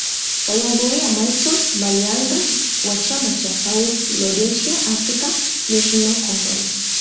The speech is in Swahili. Walihudhuria Marton Malianga wa chama cha Southern Rhodesia African National Congress